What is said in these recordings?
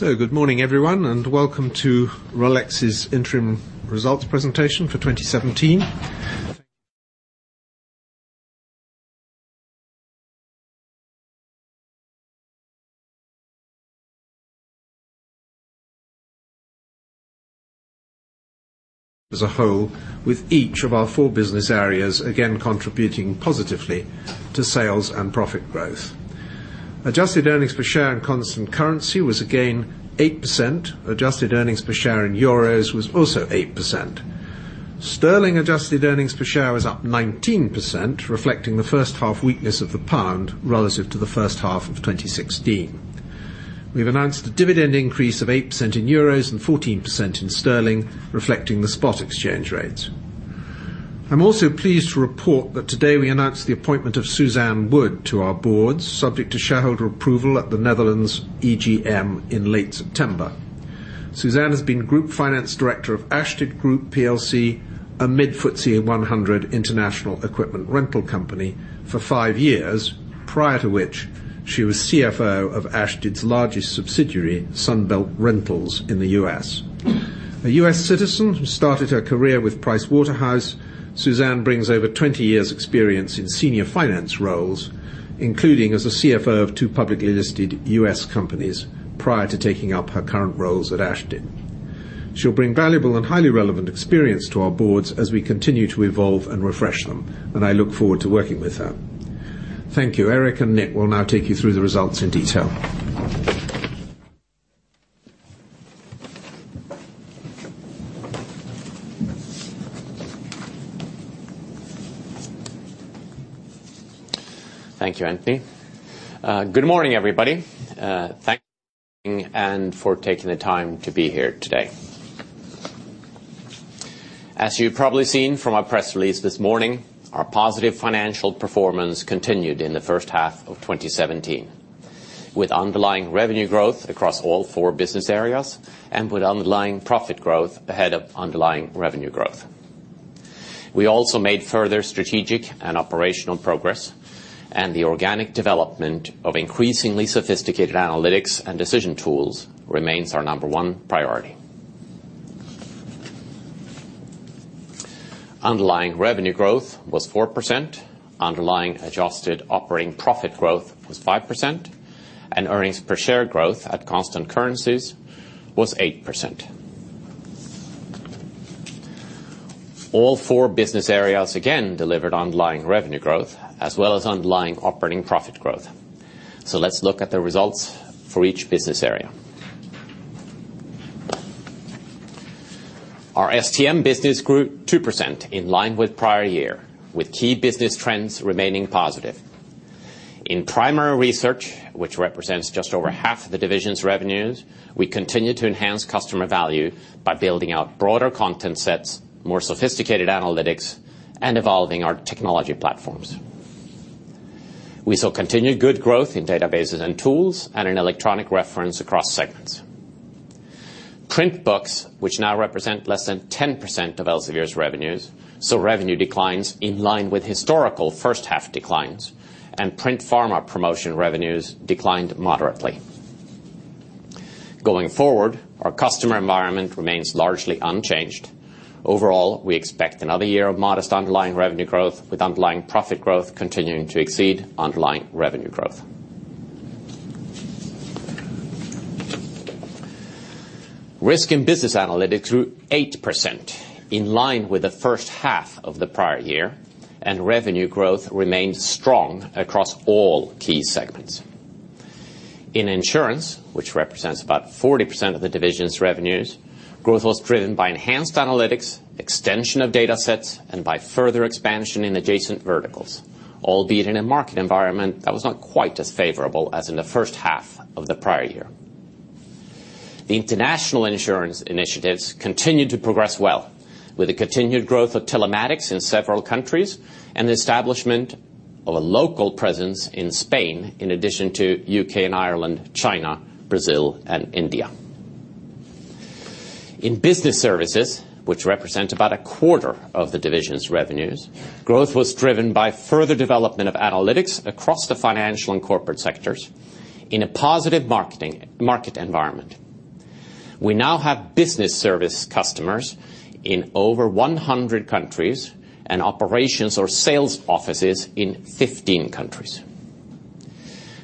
Good morning, everyone, and welcome to RELX's interim results presentation for 2017. As a whole, with each of our four business areas again contributing positively to sales and profit growth. Adjusted earnings per share in constant currency was again 8%. Adjusted earnings per share in euros was also 8%. Sterling adjusted earnings per share was up 19%, reflecting the first half weakness of the pound relative to the first half of 2016. We've announced a dividend increase of 8% in euros and 14% in sterling, reflecting the spot exchange rates. I'm also pleased to report that today we announce the appointment of Suzanne Wood to our boards, subject to shareholder approval at the Netherlands EGM in late September. Suzanne has been Group Finance Director of Ashtead Group PLC, a mid-FTSE 100 international equipment rental company, for five years. Prior to which she was CFO of Ashtead's largest subsidiary, Sunbelt Rentals in the U.S. A U.S. citizen who started her career with Pricewaterhouse, Suzanne brings over 20 years experience in senior finance roles, including as a CFO of two publicly listed U.S. companies prior to taking up her current roles at Ashtead. She'll bring valuable and highly relevant experience to our boards as we continue to evolve and refresh them, and I look forward to working with her. Thank you. Erik and Nick will now take you through the results in detail. Thank you, Anthony. Good morning, everybody. Thanks for coming and for taking the time to be here today. As you've probably seen from our press release this morning, our positive financial performance continued in the first half of 2017, with underlying revenue growth across all four business areas and with underlying profit growth ahead of underlying revenue growth. We also made further strategic and operational progress, and the organic development of increasingly sophisticated analytics and decision tools remains our number 1 priority. Underlying revenue growth was 4%, underlying adjusted operating profit growth was 5%, and earnings per share growth at constant currencies was 8%. All four business areas again delivered underlying revenue growth as well as underlying operating profit growth. Let's look at the results for each business area. Our STM business grew 2% in line with prior year, with key business trends remaining positive. In primary research, which represents just over half of the division's revenues, we continue to enhance customer value by building out broader content sets, more sophisticated analytics, and evolving our technology platforms. We saw continued good growth in databases and tools and in electronic reference across segments. Print books, which now represent less than 10% of Elsevier's revenues, saw revenue declines in line with historical first half declines, and print pharma promotion revenues declined moderately. Going forward, our customer environment remains largely unchanged. Overall, we expect another year of modest underlying revenue growth, with underlying profit growth continuing to exceed underlying revenue growth. Risk and business analytics grew 8%, in line with the first half of the prior year, and revenue growth remained strong across all key segments. In insurance, which represents about 40% of the division's revenues, growth was driven by enhanced analytics, extension of data sets, and by further expansion in adjacent verticals, albeit in a market environment that was not quite as favorable as in the first half of the prior year. The international insurance initiatives continued to progress well, with the continued growth of telematics in several countries and the establishment of a local presence in Spain, in addition to U.K. and Ireland, China, Brazil, and India. In business services, which represent about a quarter of the division's revenues, growth was driven by further development of analytics across the financial and corporate sectors in a positive market environment. We now have business service customers in over 100 countries and operations or sales offices in 15 countries.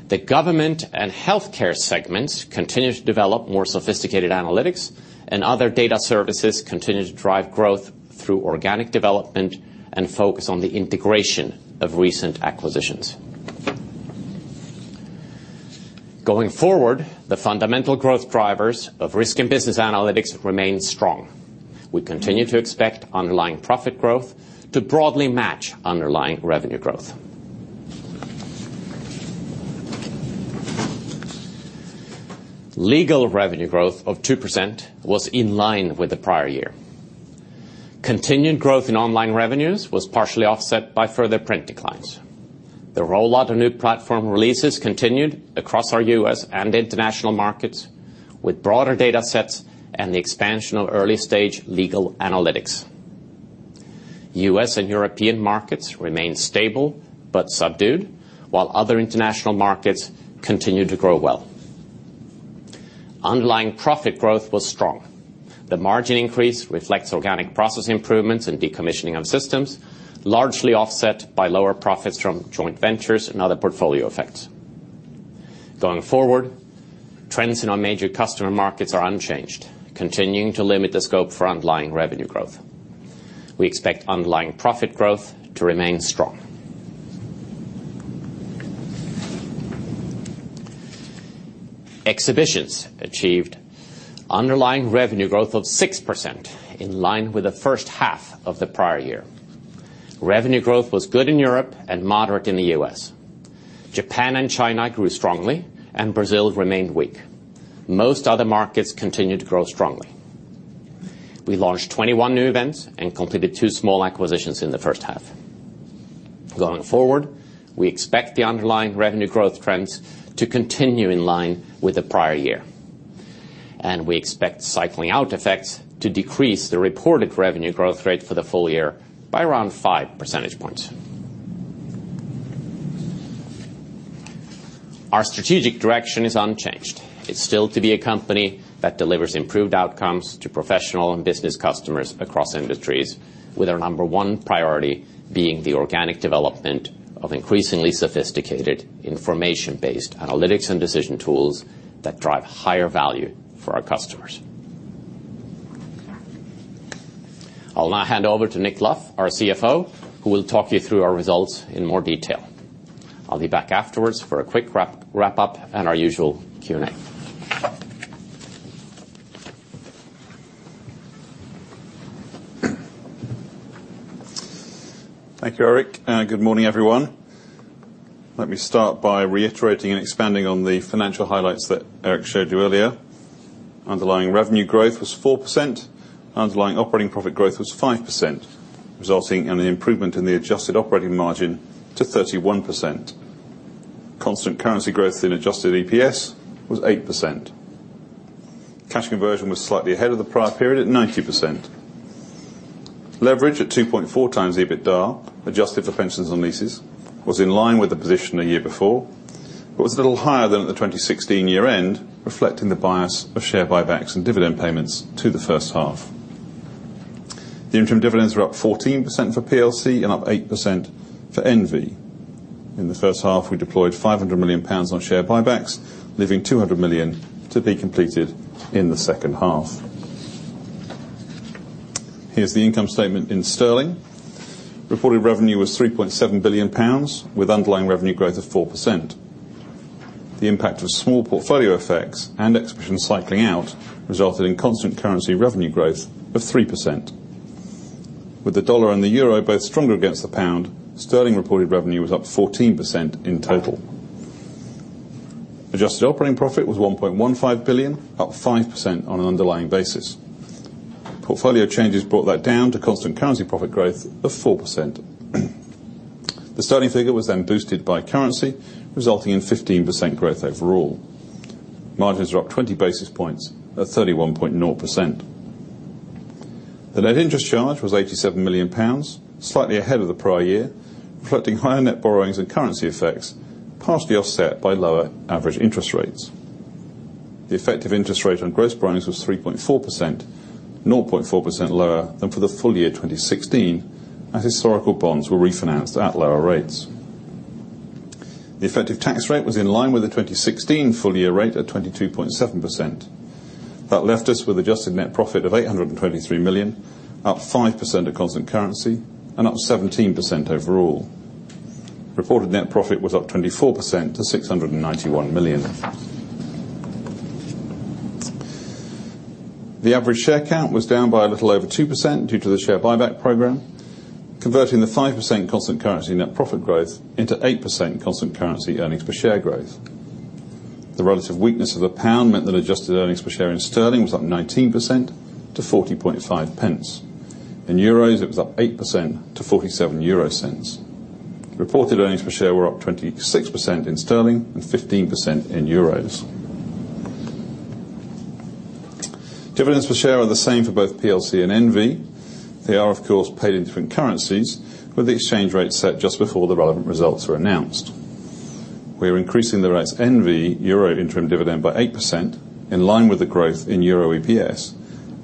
The government and healthcare segments continue to develop more sophisticated analytics and other data services continue to drive growth through organic development and focus on the integration of recent acquisitions. Going forward, the fundamental growth drivers of risk and business analytics remain strong. We continue to expect underlying profit growth to broadly match underlying revenue growth. Legal revenue growth of 2% was in line with the prior year. Continued growth in online revenues was partially offset by further print declines. The rollout of new platform releases continued across our U.S. and international markets, with broader data sets and the expansion of early-stage legal analytics. U.S. and European markets remain stable but subdued, while other international markets continue to grow well. Underlying profit growth was strong. The margin increase reflects organic process improvements and decommissioning of systems, largely offset by lower profits from joint ventures and other portfolio effects. Going forward, trends in our major customer markets are unchanged, continuing to limit the scope for underlying revenue growth. We expect underlying profit growth to remain strong. Exhibitions achieved underlying revenue growth of 6%, in line with the first half of the prior year. Revenue growth was good in Europe and moderate in the U.S. Japan and China grew strongly, and Brazil remained weak. Most other markets continued to grow strongly. We launched 21 new events and completed two small acquisitions in the first half. Going forward, we expect the underlying revenue growth trends to continue in line with the prior year. We expect cycling out effects to decrease the reported revenue growth rate for the full year by around five percentage points. Our strategic direction is unchanged. It's still to be a company that delivers improved outcomes to professional and business customers across industries, with our number one priority being the organic development of increasingly sophisticated information-based analytics and decision tools that drive higher value for our customers. I'll now hand over to Nick Luff, our CFO, who will talk you through our results in more detail. I'll be back afterwards for a quick wrap-up and our usual Q&A. Thank you, Erik, and good morning, everyone. Let me start by reiterating and expanding on the financial highlights that Erik showed you earlier. Underlying revenue growth was 4%. Underlying operating profit growth was 5%, resulting in an improvement in the adjusted operating margin to 31%. Constant currency growth in adjusted EPS was 8%. Cash conversion was slightly ahead of the prior period at 90%. Leverage at 2.4 times EBITDA, adjusted for pensions and leases, was in line with the position a year before, but was a little higher than at the 2016 year-end, reflecting the bias of share buybacks and dividend payments to the first half. The interim dividends were up 14% for plc and up 8% for N.V. In the first half, we deployed 500 million pounds on share buybacks, leaving 200 million to be completed in the second half. Here's the income statement in sterling. Reported revenue was 3.7 billion pounds, with underlying revenue growth of 4%. The impact of small portfolio effects and exhibition cycling out resulted in constant currency revenue growth of 3%. With the dollar and the euro both stronger against the pound, sterling reported revenue was up 14% in total. Adjusted operating profit was 1.15 billion, up 5% on an underlying basis. Portfolio changes brought that down to constant currency profit growth of 4%. The sterling figure was boosted by currency, resulting in 15% growth overall. Margins are up 20 basis points at 31.0%. The net interest charge was 87 million pounds, slightly ahead of the prior year, reflecting higher net borrowings and currency effects, partially offset by lower average interest rates. The effective interest rate on gross borrowings was 3.4%, 0.4% lower than for the full year 2016, as historical bonds were refinanced at lower rates. The effective tax rate was in line with the 2016 full-year rate at 22.7%. That left us with adjusted net profit of 823 million, up 5% at constant currency and up 17% overall. Reported net profit was up 24% to 691 million. The average share count was down by a little over 2% due to the share buyback program, converting the 5% constant currency net profit growth into 8% constant currency earnings per share growth. The relative weakness of the pound meant that adjusted earnings per share in sterling was up 19% to 0.405. In euros, it was up 8% to 0.47. Reported earnings per share were up 26% in sterling and 15% in euros. Dividends per share are the same for both plc and N.V. They are, of course, paid in different currencies, with the exchange rate set just before the relevant results were announced. We're increasing the RELX N.V. euro interim dividend by 8%, in line with the growth in euro EPS,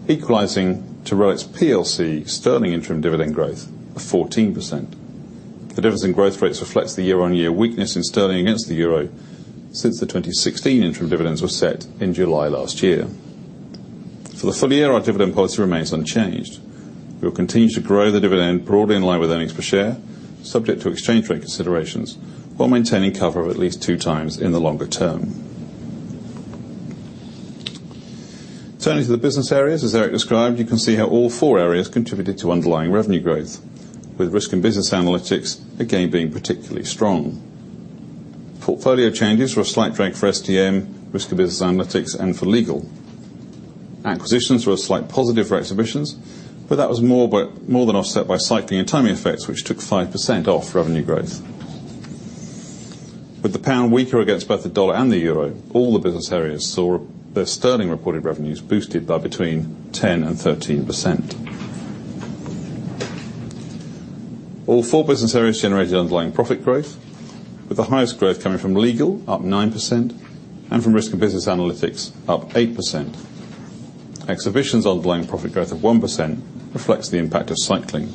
equalizing to RELX plc sterling interim dividend growth of 14%. The dividend growth rates reflects the year-on-year weakness in sterling against the euro since the 2016 interim dividends were set in July last year. For the full year, our dividend policy remains unchanged. We will continue to grow the dividend broadly in line with earnings per share, subject to exchange rate considerations, while maintaining cover of at least two times in the longer term. Turning to the business areas, as Erik described, you can see how all four areas contributed to underlying revenue growth, with Risk and Business Analytics again being particularly strong. Portfolio changes were a slight drag for STM, Risk and Business Analytics, and for Legal. Acquisitions were a slight positive for exhibitions, that was more than offset by cycling and timing effects, which took 5% off revenue growth. With the pound weaker against both the dollar and the euro, all the business areas saw their sterling reported revenues boosted by between 10% and 13%. All four business areas generated underlying profit growth, with the highest growth coming from legal, up 9%, and from risk and business analytics, up 8%. Exhibitions' underlying profit growth of 1% reflects the impact of cycling.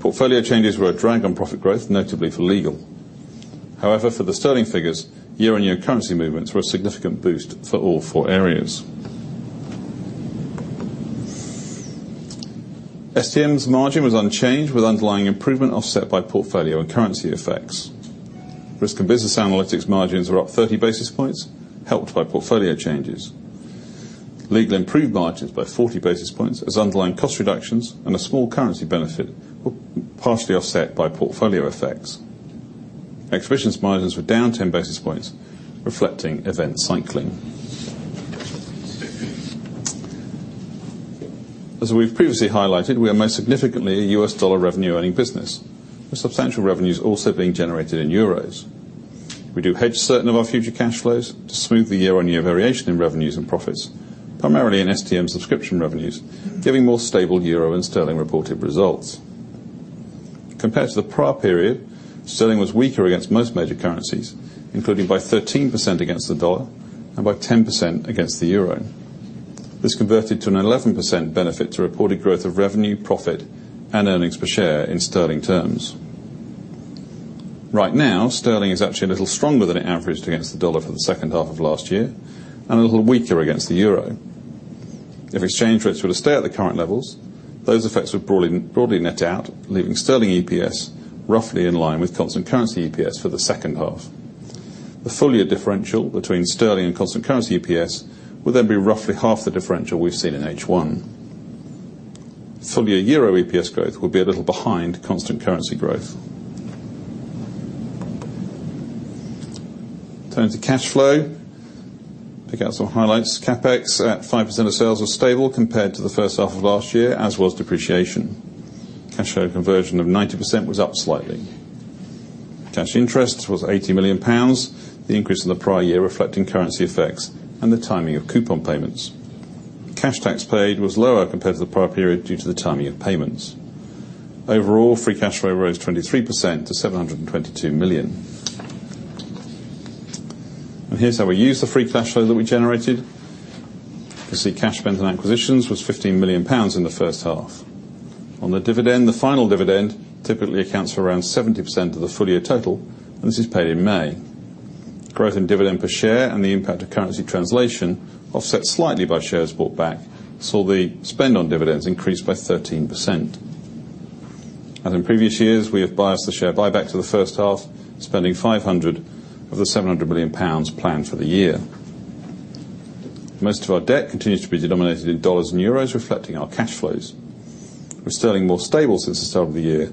Portfolio changes were a drag on profit growth, notably for legal. However, for the sterling figures, year-on-year currency movements were a significant boost for all four areas. STM's margin was unchanged, with underlying improvement offset by portfolio and currency effects. Risk and business analytics margins were up 30 basis points, helped by portfolio changes. Legal improved margins by 40 basis points as underlying cost reductions and a small currency benefit were partially offset by portfolio effects. Exhibitions' margins were down 10 basis points, reflecting event cycling. As we've previously highlighted, we are most significantly a U.S. dollar revenue-earning business, with substantial revenues also being generated in euros. We do hedge certain of our future cash flows to smooth the year-on-year variation in revenues and profits, primarily in STM subscription revenues, giving more stable euro and sterling reported results. Compared to the prior period, sterling was weaker against most major currencies, including by 13% against the dollar and by 10% against the euro. This converted to an 11% benefit to reported growth of revenue, profit, and earnings per share in sterling terms. Right now, sterling is actually a little stronger than it averaged against the dollar for the second half of last year and a little weaker against the euro. If exchange rates were to stay at the current levels, those effects would broadly net out, leaving sterling EPS roughly in line with constant currency EPS for the second half. The full year differential between sterling and constant currency EPS would then be roughly half the differential we've seen in H1. Full year euro EPS growth will be a little behind constant currency growth. Turning to cash flow. Pick out some highlights. CapEx at 5% of sales was stable compared to the first half of last year, as was depreciation. Cash flow conversion of 90% was up slightly. Cash interest was 80 million pounds, the increase on the prior year reflecting currency effects and the timing of coupon payments. Cash tax paid was lower compared to the prior period due to the timing of payments. Overall, free cash flow rose 23% to 722 million. Here's how we used the free cash flow that we generated. You can see cash spent on acquisitions was 15 million pounds in the first half. On the dividend, the final dividend typically accounts for around 70% of the full year total, and this is paid in May. Growth in dividend per share and the impact of currency translation offset slightly by shares bought back, saw the spend on dividends increase by 13%. As in previous years, we have biased the share buyback to the first half, spending 500 million of the 700 million pounds planned for the year. Most of our debt continues to be denominated in dollars and euros, reflecting our cash flows. With sterling more stable since the start of the year,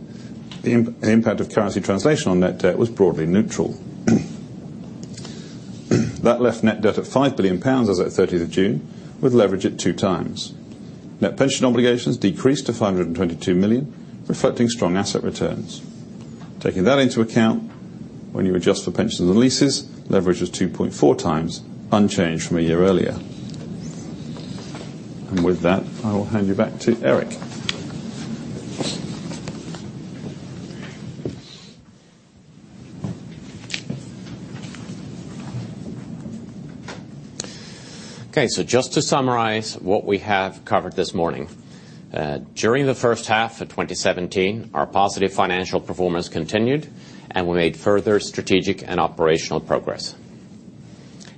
the impact of currency translation on net debt was broadly neutral. That left net debt at 5 billion pounds as at 30th June, with leverage at 2 times. Net pension obligations decreased to 522 million, reflecting strong asset returns. Taking that into account, when you adjust for pensions and leases, leverage was 2.4 times, unchanged from a year earlier. With that, I will hand you back to Erik. Okay, just to summarize what we have covered this morning. During the first half of 2017, our positive financial performance continued, we made further strategic and operational progress.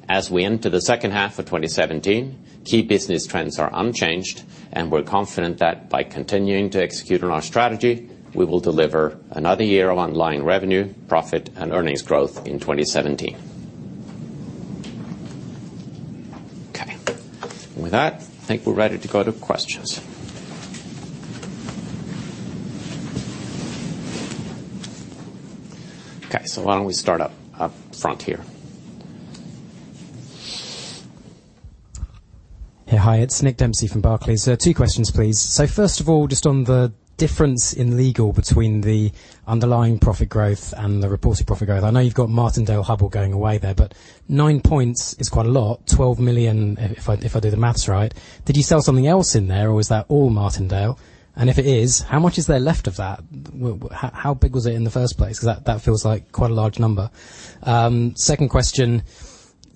As we enter the second half of 2017, key business trends are unchanged, we're confident that by continuing to execute on our strategy, we will deliver another year of underlying revenue, profit, and earnings growth in 2017. Okay. With that, I think we're ready to go to questions. Okay, why don't we start up front here? Hi, it's Nick Dempsey from Barclays. Two questions, please. First of all, just on the difference in legal between the underlying profit growth and the reported profit growth. I know you've got Martindale-Hubbell going away there, but nine points is quite a lot. 12 million, if I do the maths right. Did you sell something else in there, or was that all Martindale? If it is, how much is there left of that? How big was it in the first place? Because that feels like quite a large number. Second question,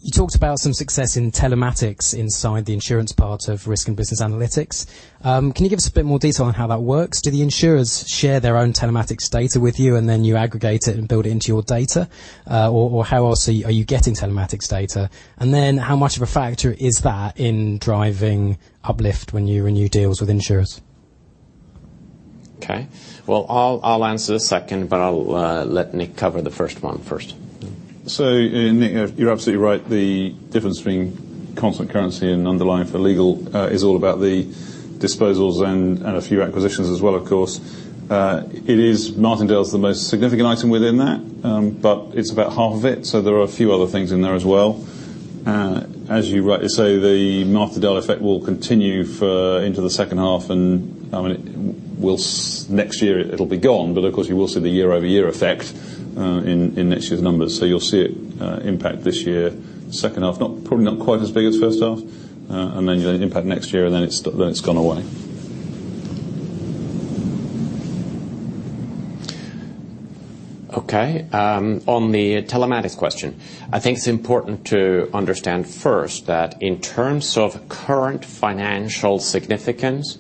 you talked about some success in telematics inside the insurance part of Risk & Business Analytics. Can you give us a bit more detail on how that works? Do the insurers share their own telematics data with you, then you aggregate it and build it into your data? How else are you getting telematics data? Then how much of a factor is that in driving uplift when you renew deals with insurers? Okay. Well, I'll answer the second, but I'll let Nick cover the first one first. Nick, you're absolutely right. The difference between constant currency and underlying for legal is all about the disposals and a few acquisitions as well, of course. Martindale's the most significant item within that, but it's about half of it, so there are a few other things in there as well. As you rightly say, the Martindale effect will continue into the second half, and next year it'll be gone. Of course, you will see the year-over-year effect in next year's numbers. You'll see it impact this year, second half, probably not quite as big as first half, and then you'll impact next year and then it's gone away. Okay. On the telematics question. I think it's important to understand first that in terms of current financial significance,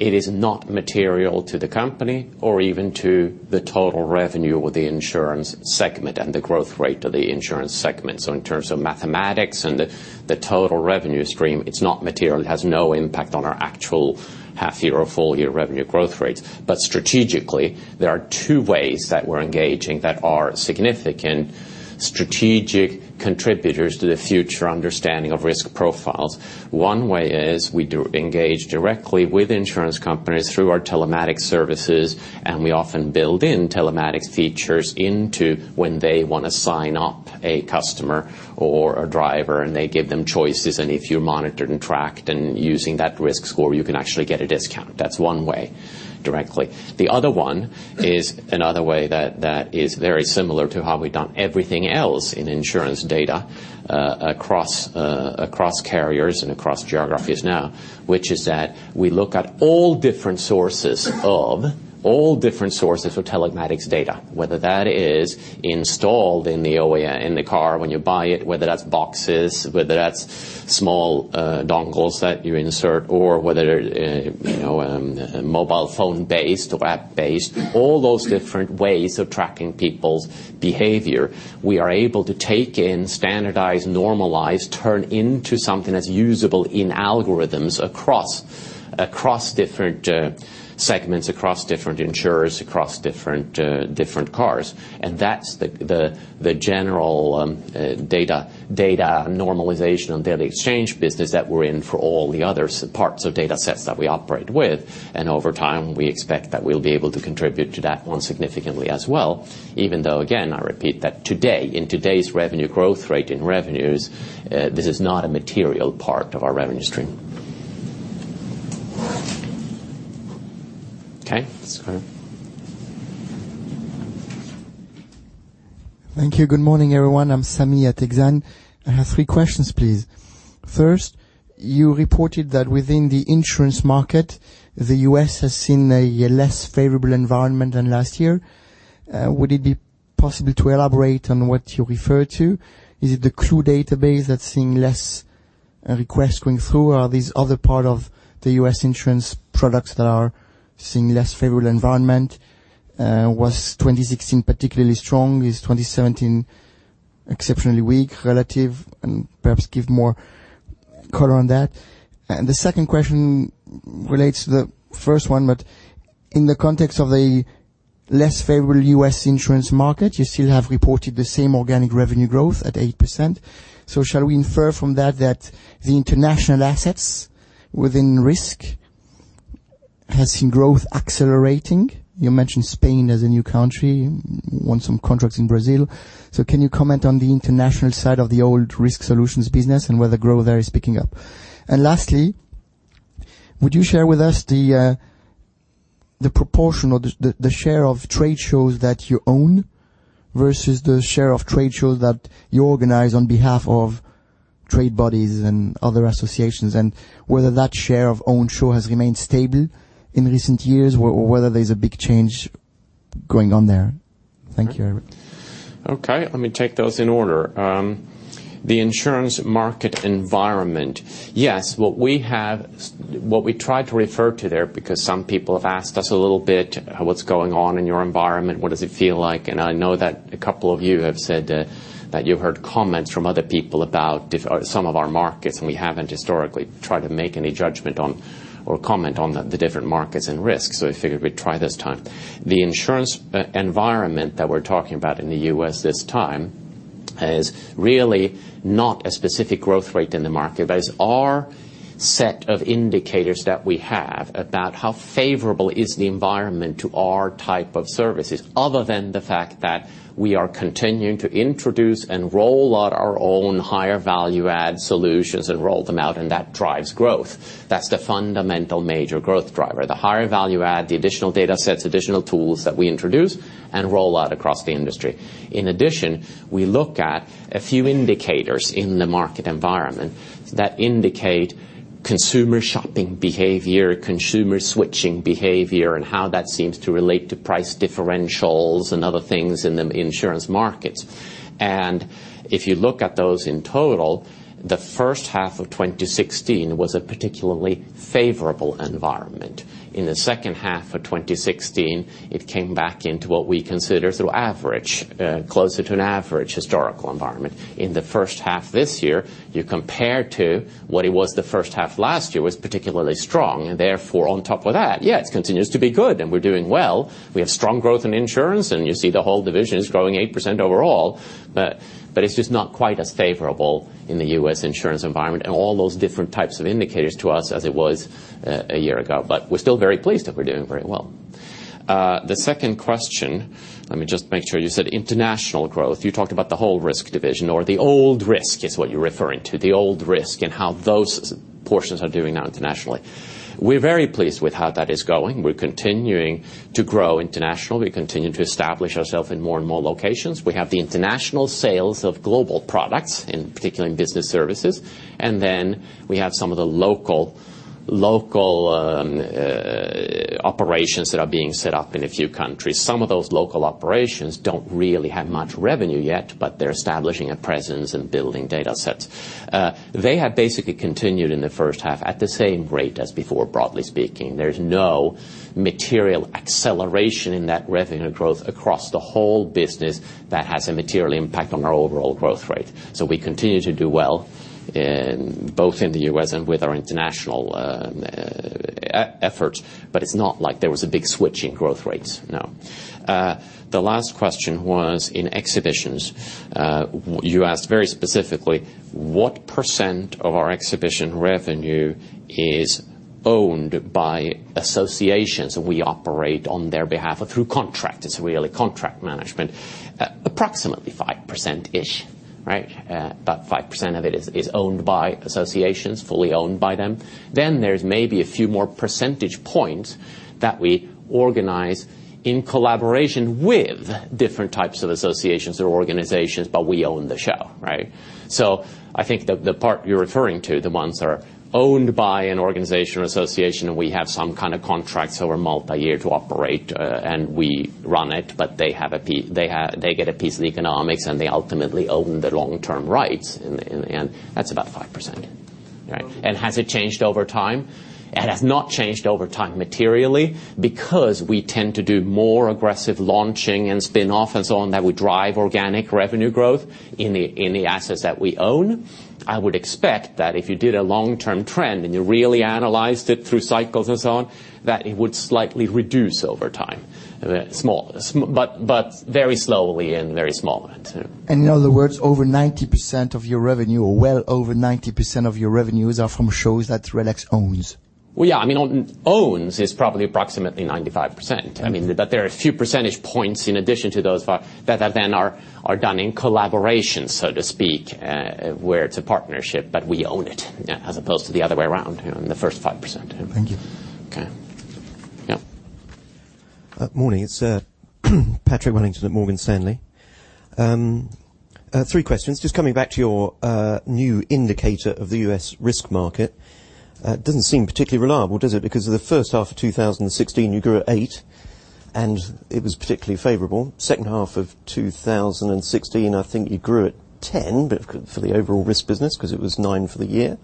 it is not material to the company or even to the total revenue or the insurance segment and the growth rate of the insurance segment. In terms of mathematics and the total revenue stream, it's not material. It has no impact on our actual half year or full year revenue growth rates. Strategically, there are two ways that we're engaging that are significant strategic contributors to the future understanding of risk profiles. One way is we do engage directly with insurance companies through our telematics services, and we often build in telematics features into when they want to sign up a customer or a driver, and they give them choices. If you're monitored and tracked and using that risk score, you can actually get a discount. That's one way directly. The other one is another way that is very similar to how we've done everything else in insurance data, across carriers and across geographies now, which is that we look at all different sources of telematics data, whether that is installed in the car when you buy it, whether that's boxes, whether that's small dongles that you insert, or whether they're mobile phone based or app based. All those different ways of tracking people's behavior, we are able to take in standardized, normalized, turn into something that's usable in algorithms across different segments, across different insurers, across different cars. That's the general data normalization and data exchange business that we're in for all the other parts of data sets that we operate with. Over time, we expect that we'll be able to contribute to that one significantly as well. Even though, again, I repeat that in today's revenue growth rate in revenues, this is not a material part of our revenue stream. Okay. Sorry. Thank you. Good morning, everyone. I'm Sami Kassab. I have three questions, please. First, you reported that within the insurance market, the U.S. has seen a less favorable environment than last year. Would it be possible to elaborate on what you refer to? Is it the C.L.U.E. database that's seeing less requests going through? Or are these other part of the U.S. insurance products that are seeing less favorable environment? Was 2016 particularly strong? Is 2017 exceptionally weak relative? Perhaps give more color on that. The second question relates to the first one, but in the context of the less favorable U.S. insurance market, you still have reported the same organic revenue growth at 8%. Shall we infer from that that the international assets within Risk has seen growth accelerating? You mentioned Spain as a new country. Won some contracts in Brazil. Can you comment on the international side of the old Risk Solutions business and whether growth there is picking up? Lastly, would you share with us the proportion or the share of trade shows that you own versus the share of trade shows that you organize on behalf of trade bodies and other associations, and whether that share of own show has remained stable in recent years, or whether there's a big change going on there? Thank you. Okay, let me take those in order. The insurance market environment. Yes, what we try to refer to there, because some people have asked us a little bit, what's going on in your environment, what does it feel like, and I know that a couple of you have said that you've heard comments from other people about some of our markets, and we haven't historically tried to make any judgment on or comment on the different markets and risks. We figured we'd try this time. The insurance environment that we're talking about in the U.S. this time is really not a specific growth rate in the market. That is our set of indicators that we have about how favorable is the environment to our type of services, other than the fact that we are continuing to introduce and roll out our own higher value-add solutions and roll them out, and that drives growth. That's the fundamental major growth driver. The higher value-add, the additional data sets, additional tools that we introduce and roll out across the industry. In addition, we look at a few indicators in the market environment that indicate consumer shopping behavior, consumer switching behavior, and how that seems to relate to price differentials and other things in the insurance markets. If you look at those in total, the first half of 2016 was a particularly favorable environment. In the second half of 2016, it came back into what we consider true average, closer to an average historical environment. In the first half this year, you compare to what it was the first half last year was particularly strong. Therefore, on top of that, yeah, it continues to be good and we're doing well. We have strong growth in insurance, and you see the whole division is growing 8% overall. It's just not quite as favorable in the U.S. insurance environment and all those different types of indicators to us as it was a year ago. We're still very pleased that we're doing very well. The second question, let me just make sure, you said international growth. You talked about the whole risk division, or the old risk is what you're referring to, the old risk, and how those portions are doing now internationally. We're very pleased with how that is going. We're continuing to grow international. We continue to establish ourselves in more and more locations. We have the international sales of global products, in particular in business services. We have some of the local operations that are being set up in a few countries. Some of those local operations don't really have much revenue yet, but they're establishing a presence and building data sets. They have basically continued in the first half at the same rate as before, broadly speaking. There's no material acceleration in that revenue growth across the whole business that has a material impact on our overall growth rate. We continue to do well both in the U.S. and with our international efforts, but it's not like there was a big switch in growth rates, no. The last question was in exhibitions. You asked very specifically what % of our exhibition revenue is owned by associations we operate on their behalf of through contract. It's really contract management. Approximately 5%-ish. About 5% of it is owned by associations, fully owned by them. There's maybe a few more percentage points that we organize in collaboration with different types of associations or organizations, but we own the show. I think the part you're referring to, the ones that are owned by an organization or association, and we have some kind of contracts over multi-year to operate, and we run it, but they get a piece of the economics, and they ultimately own the long-term rights, and that's about 5%. Has it changed over time? It has not changed over time materially, because we tend to do more aggressive launching and spin-off and so on that would drive organic revenue growth in the assets that we own. I would expect that if you did a long-term trend, and you really analyzed it through cycles and so on, that it would slightly reduce over time. Small, but very slowly and very small. In other words, over 90% of your revenue, or well over 90% of your revenues are from shows that RELX owns. Well, yeah. Owns is probably approximately 95%. There are a few percentage points in addition to those that then are done in collaboration, so to speak, where it's a partnership, but we own it, as opposed to the other way around in the first 5%. Thank you. Okay. Yeah. Morning. It's Patrick Wellington at Morgan Stanley. Three questions. Just coming back to your new indicator of the U.S. risk market. Doesn't seem particularly reliable, does it? Because the first half of 2016, you grew at eight, and it was particularly favorable. Second half of 2016, I think you grew at 10, but for the overall risk business, because it was nine for the year,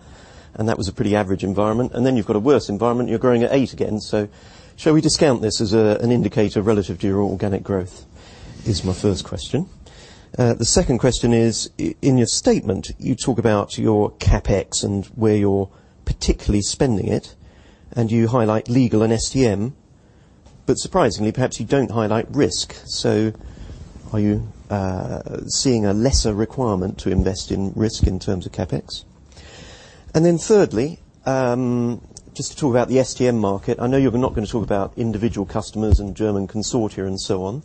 and that was a pretty average environment. Then you've got a worse environment. You're growing at eight again. Shall we discount this as an indicator relative to your organic growth, is my first question. The second question is, in your statement, you talk about your CapEx and where you're particularly spending it, and you highlight legal and STM. Surprisingly, perhaps you don't highlight risk. Are you seeing a lesser requirement to invest in risk in terms of CapEx? Thirdly, just to talk about the STM market, I know you're not going to talk about individual customers and German consortia and so on.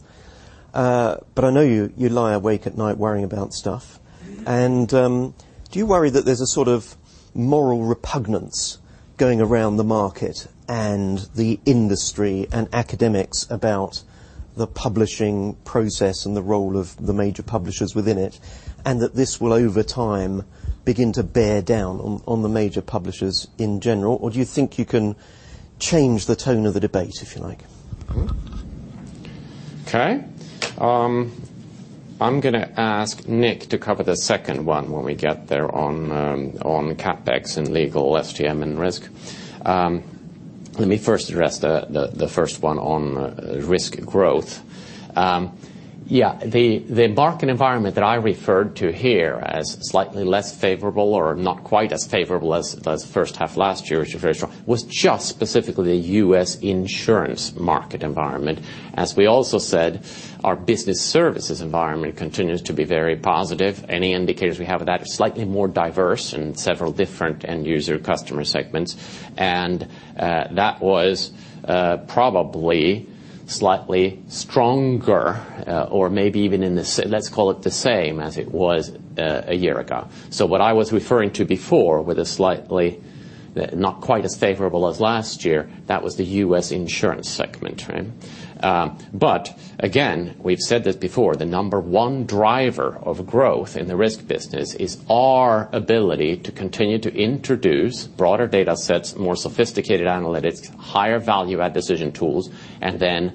I know you lie awake at night worrying about stuff. Do you worry that there's a sort of moral repugnance going around the market and the industry and academics about the publishing process and the role of the major publishers within it, and that this will, over time, begin to bear down on the major publishers in general? Do you think you can change the tone of the debate, if you like? Okay. I'm going to ask Nick to cover the second one when we get there on CapEx and legal STM and risk. Let me first address the first one on risk growth. Yeah, the market environment that I referred to here as slightly less favorable or not quite as favorable as the first half last year, which was very strong, was just specifically the U.S. insurance market environment. As we also said, our business services environment continues to be very positive. Any indicators we have of that are slightly more diverse in several different end user customer segments. That was probably slightly stronger or maybe even, let's call it the same as it was a year ago. What I was referring to before with a slightly not quite as favorable as last year, that was the U.S. insurance segment. Again, we have said this before, the number 1 driver of growth in the risk business is our ability to continue to introduce broader data sets, more sophisticated analytics, higher value add decision tools, and then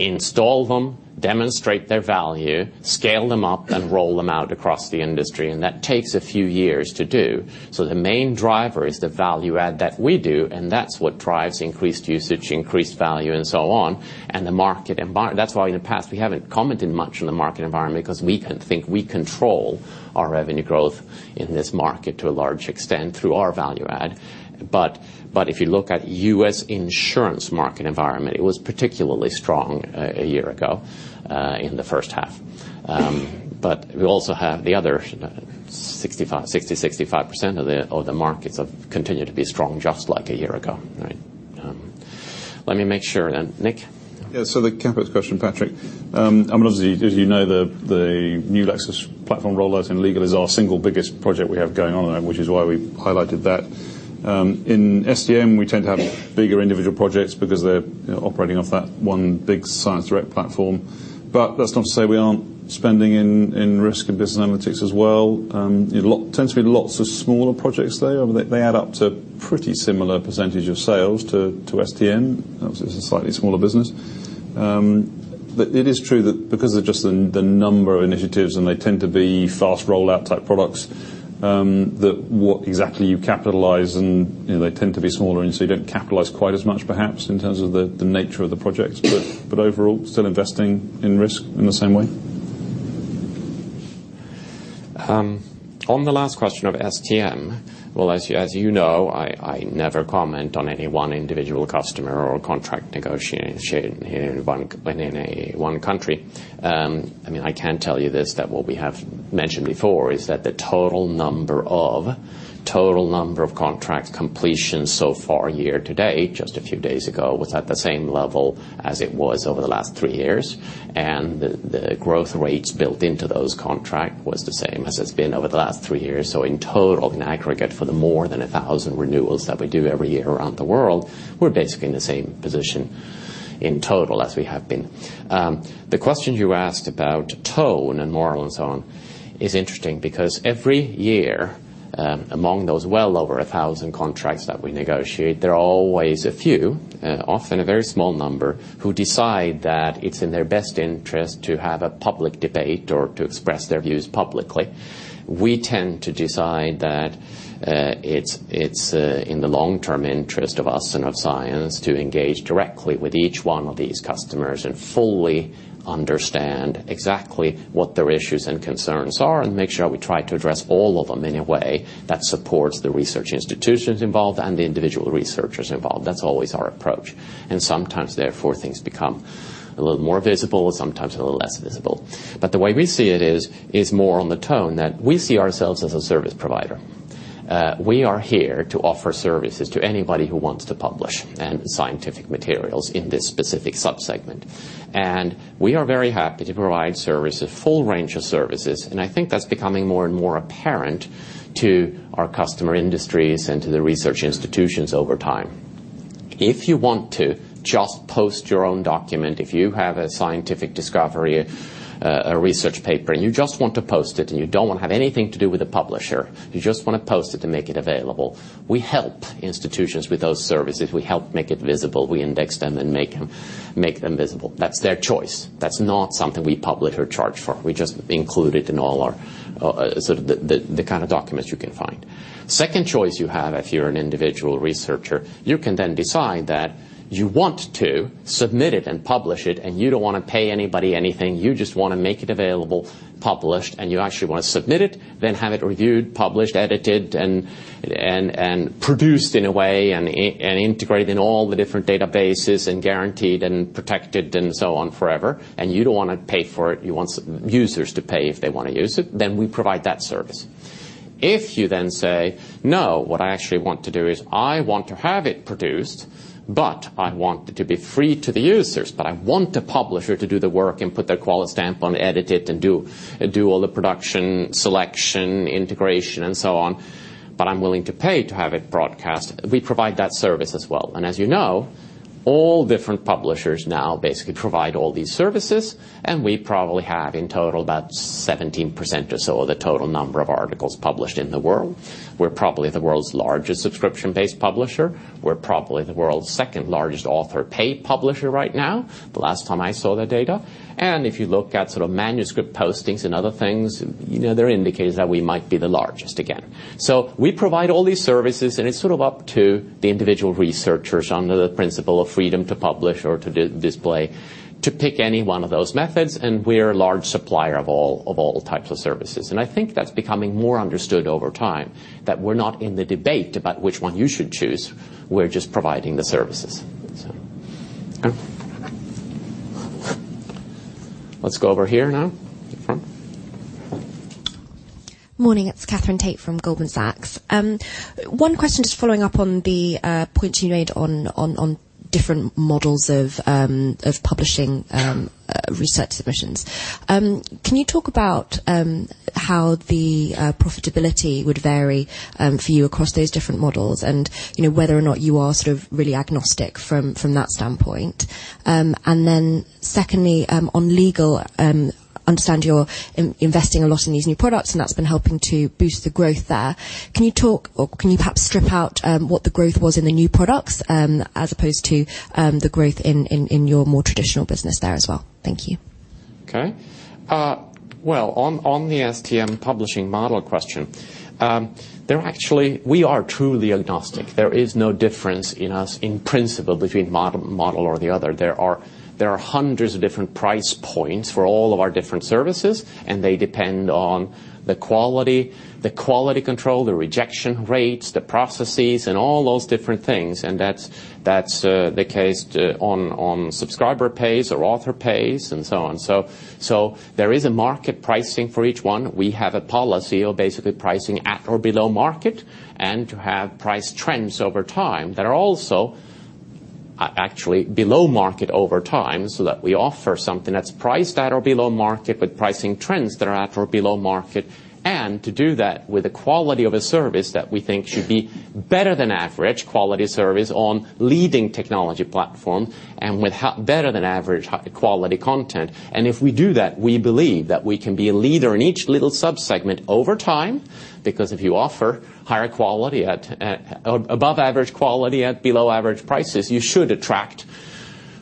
install them, demonstrate their value, scale them up, and roll them out across the industry. That takes a few years to do. The main driver is the value add that we do, and that is what drives increased usage, increased value, and so on. That is why in the past, we have not commented much on the market environment because we think we control our revenue growth in this market to a large extent through our value add. If you look at U.S. insurance market environment, it was particularly strong a year ago in the first half. We also have the other 60%-65% of the markets have continued to be strong just like a year ago. Let me make sure then. Nick? The CapEx question, Patrick, obviously, as you know, the new Lexis platform rollout in legal is our single biggest project we have going on, which is why we highlighted that. In STM, we tend to have bigger individual projects because they are operating off that 1 big ScienceDirect platform. That is not to say we are not spending in risk and business analytics as well. It tends to be lots of smaller projects there. They add up to pretty similar percentage of sales to STM. Obviously, it is a slightly smaller business. It is true that because of just the number of initiatives, and they tend to be fast rollout type products, that what exactly you capitalize and they tend to be smaller and you do not capitalize quite as much perhaps in terms of the nature of the projects. Overall, still investing in risk in the same way. On the last question of STM, as you know, I never comment on any 1 individual customer or contract negotiation in 1 country. I can tell you this, that what we have mentioned before is that the total number of contract completions so far year to date, just a few days ago, was at the same level as it was over the last 3 years. The growth rates built into those contract was the same as it has been over the last 3 years. In total, in aggregate, for the more than 1,000 renewals that we do every year around the world, we are basically in the same position in total as we have been. The question you asked about tone and moral and so on is interesting because every year, among those well over 1,000 contracts that we negotiate, there are always a few, often a very small number, who decide that it's in their best interest to have a public debate or to express their views publicly. We tend to decide that it's in the long-term interest of us and of science to engage directly with each one of these customers and fully understand exactly what their issues and concerns are and make sure we try to address all of them in a way that supports the research institutions involved and the individual researchers involved. That's always our approach. Sometimes, therefore, things become a little more visible, sometimes a little less visible. The way we see it is more on the tone that we see ourselves as a service provider. We are here to offer services to anybody who wants to publish scientific materials in this specific sub-segment. We are very happy to provide services, a full range of services, and I think that's becoming more and more apparent to our customer industries and to the research institutions over time. If you want to just post your own document, if you have a scientific discovery, a research paper, and you just want to post it and you don't want to have anything to do with the publisher, you just want to post it to make it available, we help institutions with those services. We help make it visible. We index them and make them visible. That's their choice. That's not something we publish or charge for. We just include it in all our sort of the kind of documents you can find. Second choice you have, if you're an individual researcher, you can then decide that you want to submit it and publish it, and you don't want to pay anybody anything. You just want to make it available, published, and you actually want to submit it, then have it reviewed, published, edited, and produced in a way, and integrated in all the different databases, and guaranteed and protected and so on forever. You don't want to pay for it. You want users to pay if they want to use it. We provide that service. If you then say, "No, what I actually want to do is I want to have it produced, but I want it to be free to the users, but I want the publisher to do the work and put their quality stamp on it, edit it, and do all the production, selection, integration, and so on, but I'm willing to pay to have it broadcast," we provide that service as well. As you know, all different publishers now basically provide all these services, and we probably have in total about 17% or so of the total number of articles published in the world. We're probably the world's largest subscription-based publisher. We're probably the world's second-largest author-paid publisher right now, the last time I saw the data. If you look at sort of manuscript postings and other things, there are indicators that we might be the largest again. We provide all these services, it's sort of up to the individual researchers, under the principle of freedom to publish or to display, to pick any one of those methods, and we're a large supplier of all types of services. I think that's becoming more understood over time, that we're not in the debate about which one you should choose. We're just providing the services. Let's go over here now, at the front. Morning. It's Katherine Tait from Goldman Sachs. One question, just following up on the points you made on different models of publishing research submissions. Can you talk about how the profitability would vary for you across those different models and whether or not you are sort of really agnostic from that standpoint? Secondly, on legal, I understand you're investing a lot in these new products, and that's been helping to boost the growth there. Can you talk or can you perhaps strip out what the growth was in the new products as opposed to the growth in your more traditional business there as well? Thank you. Okay. Well, on the STM publishing model question, we are truly agnostic. There is no difference in us in principle between model or the other. There are hundreds of different price points for all of our different services, and they depend on the quality, the quality control, the rejection rates, the processes, and all those different things. That's the case on subscriber pays or author pays and so on. There is a market pricing for each one. We have a policy of basically pricing at or below market and to have price trends over time that are also actually below market over time, so that we offer something that's priced at or below market, with pricing trends that are at or below market. To do that with the quality of a service that we think should be better than average quality service on leading technology platform, and with better than average quality content. If we do that, we believe that we can be a leader in each little sub-segment over time. If you offer above average quality at below average prices, you should attract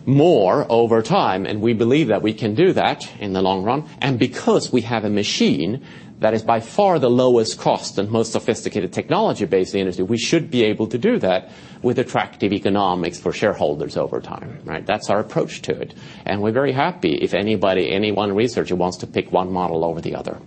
more over time. We believe that we can do that in the long run. Because we have a machine that is by far the lowest cost and most sophisticated technology base in the industry, we should be able to do that with attractive economics for shareholders over time. That's our approach to it, and we're very happy if any one researcher wants to pick one model over the other.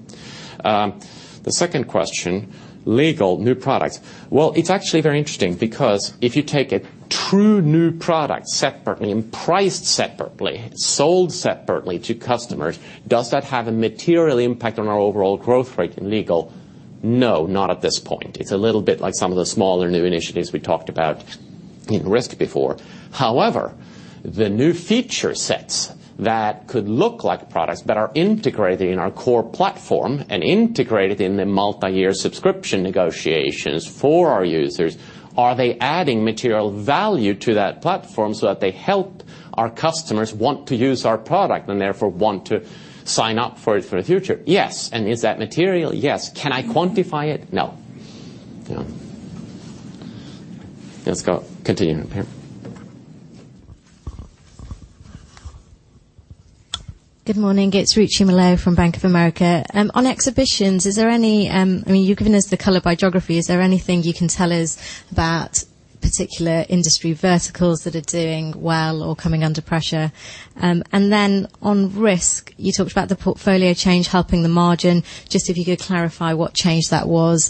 The second question, legal, new products. Well, it's actually very interesting because if you take a true new product separately and priced separately, sold separately to customers, does that have a material impact on our overall growth rate in Legal? No, not at this point. It's a little bit like some of the smaller new initiatives we talked about in Risk before. However, the new feature sets that could look like products but are integrated in our core platform and integrated in the multi-year subscription negotiations for our users, are they adding material value to that platform so that they help our customers want to use our product, and therefore want to sign up for it for the future? Yes. Is that material? Yes. Can I quantify it? No. Let's continue. Here. Good morning. It's Ruchi Malaiya, from Bank of America. On Exhibitions, you've given us the color by geography, is there anything you can tell us about particular industry verticals that are doing well or coming under pressure? On Risk, you talked about the portfolio change helping the margin. Just if you could clarify what change that was.